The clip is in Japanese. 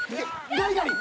ガリガリ。